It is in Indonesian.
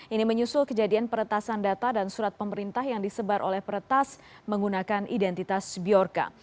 ini menyusul kejadian peretasan data dan surat pemerintah yang disebar oleh peretas menggunakan identitas biorka